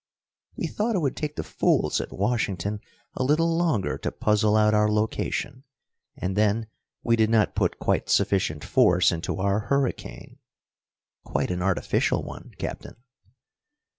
We thought it would take the fools at Washington a little longer to puzzle out our location and then we did not put quite sufficient force into our hurricane. Quite an artificial one, Captain."